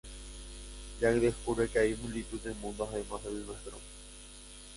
Jack descubre que hay multitud de mundos además del nuestro.